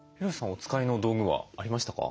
お使いの道具はありましたか？